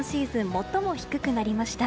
最も低くなりました。